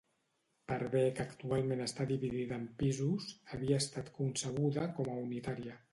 Per bé que actualment està dividida en pisos, havia estat concebuda com a unitària.